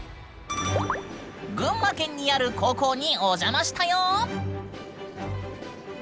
群馬県にある高校にお邪魔したよ。